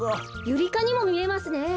ユリかにもみえますね。